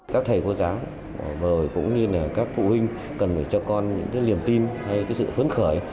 các thầy cô giáo bởi cũng như là các phụ huynh cần phải cho con những cái liềm tin hay cái sự phấn khởi